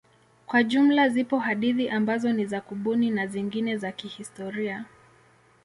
Kwa jumla zipo hadithi ambazo ni za kubuni na zingine za kihistoria.